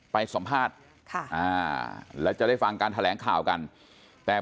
ไปสัมภาษณ์ค่ะอ่าแล้วจะได้ฟังการแถลงข่าวกันแต่